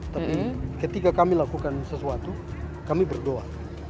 tapi ketika kami lakukan sesuatu kami berdoa